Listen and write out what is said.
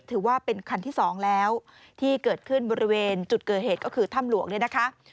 ถือว่าเป็นคันที่๒แล้วที่เกิดขึ้นบริเวณจุดเกิดเหตุก็คือถ้ำหลวก